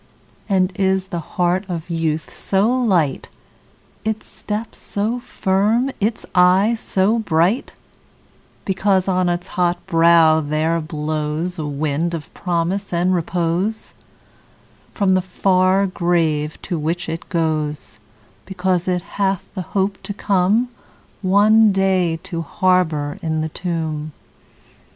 And is the heart of youth so light, Its step so firm, its eye so bright, Because on its hot brow there blows A wind of promise and repose From the far grave, to which it goes; Because it hath the hope to come, One day, to harbour in the tomb?